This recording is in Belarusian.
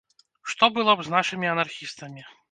Што было б з нашымі анархістамі?